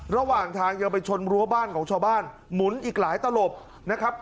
ระหว่างทางยังไปชนรั้วบ้านของชาวบ้านหมุนอีกหลายตลบนะครับ